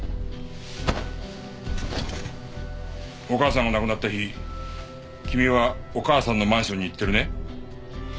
お母さんが亡くなった日君はお母さんのマンションに行ってるね？